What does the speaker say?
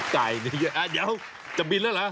ไก่นี่เยอะเดี๋ยวจะบินแล้วเหรอ